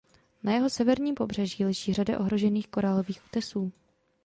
Na jeho severním pobřeží leží řada ohrožených korálových útesů.